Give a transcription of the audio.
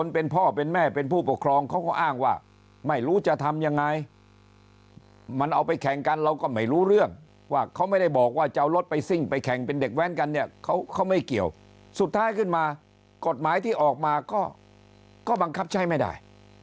เป็นพ่อเป็นแม่เป็นผู้ปกครองเขาก็อ้างว่าไม่รู้จะทำยังไงมันเอาไปแข่งกันเราก็ไม่รู้เรื่องว่าเขาไม่ได้บอกว่าจะเอารถไปซิ่งไปแข่งเป็นเด็กแว้นกันเนี่ยเขาไม่เกี่ยวสุดท้ายขึ้นมากฎหมายที่ออกมาก็บังคับใช้ไม่ได้